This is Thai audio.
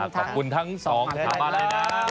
ขอบคุณทั้งสองมาเลยน่ะ